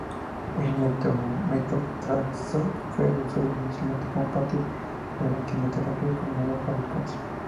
El metotrexato fue usado inicialmente como parte de quimioterapia combinada para el cáncer.